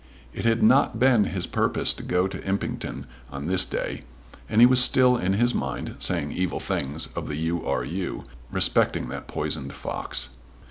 It had not been his purpose to go to Impington on this day, and he was still, in his mind, saying evil things of the U. R. U. respecting that poisoned fox.